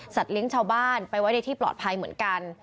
เลี้ยงชาวบ้านไปไว้ในที่ปลอดภัยเหมือนกัน